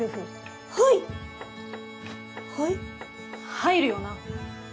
入るよな？